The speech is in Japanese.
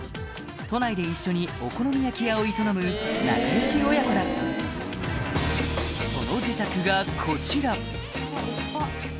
都内で一緒にお好み焼き屋を営む仲良し親子だその自宅がこちら